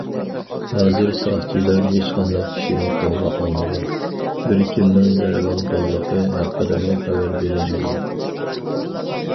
ھازىر ساقچىلار ھېچقانداق كىشىنى قولغا ئالمىغان، بىركىمنىڭ يارىلانغانلىقى ھەققىدىمۇ خەۋەر بېرىلمىگەن.